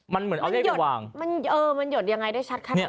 มันเหมือนเอาเลขมาวางมันเออมันหยดยังไงได้ชัดขนาดนี้